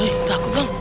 eh gak aku dong